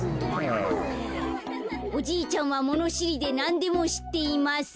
「おじいちゃんはものしりでなんでもしっています」。